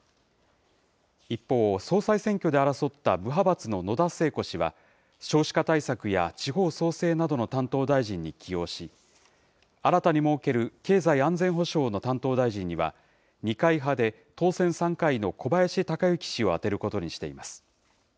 一方、総裁選挙で争った無派閥の野田聖子氏は、少子化対策や地方創生などの担当大臣に起用し、新たに設ける経済安全保障の担当大臣には、二階派で当選３回の小林鷹之氏を充てることにしています。